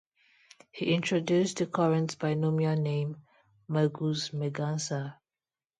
He introduced the current binomial name "Mergus merganser".